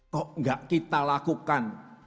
kok enggak kita lakukan